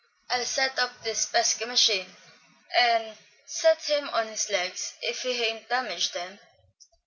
I'll hist up this pesky mashine and set him on his legs, if he hain't damaged 'em."